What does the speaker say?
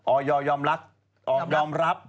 ออยอร์ยอมรับ